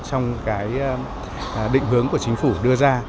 trong định hướng của chính phủ đưa ra